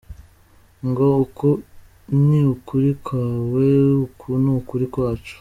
“ngo uko ni ukuri kwawe, uku ni ukuri kwacu”